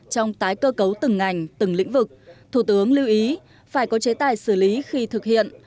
trong tái cơ cấu từng ngành từng lĩnh vực thủ tướng lưu ý phải có chế tài xử lý khi thực hiện